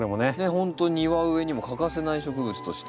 ほんと庭植えにも欠かせない植物として。